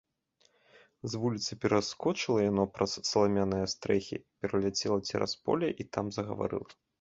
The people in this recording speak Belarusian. З вуліцы пераскочыла яно праз саламяныя стрэхі, пераляцела цераз поле і там загаварыла.